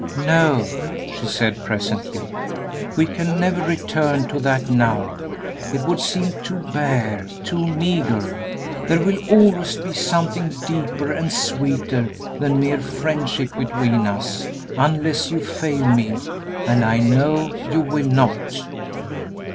"No," she said, presently, "we can never return to that now; it would seem too bare, too meagre. There will always be something deeper and sweeter than mere friendship between us, unless you fail me, and I know you will not."